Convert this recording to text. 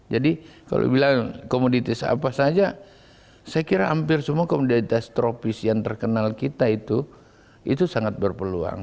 jadi kalau bilang komoditas apa saja saya kira hampir semua komoditas tropis yang terkenal kita itu itu sangat berpeluang